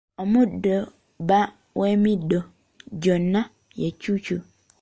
Omuddo bba w’emiddo gyonna ye cuucu.